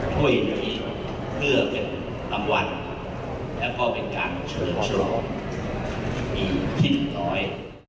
ด้วยนี้เพื่อเป็นรำวัลและก็เป็นการเชิญประสงค์มีทิศน้อย